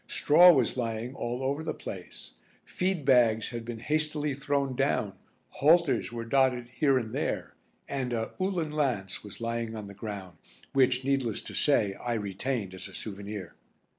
Straw was lying all over the place; feed bags had been hastily thrown down, halters were dotted here and there, and a Uhlan lance was lying on the ground, which, needless to say, I retained as a souvenir.